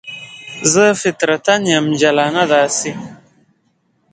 زه فطرتاً یم جلانه داسې